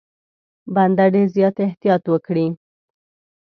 بنده ډېر زیات احتیاط وکړي.